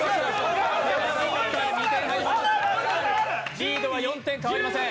リードは４点、変わりません。